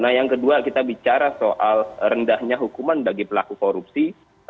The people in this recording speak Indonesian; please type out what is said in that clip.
nah yang kedua kita bicara soal rendahnya hukuman bagi pelaku korupsi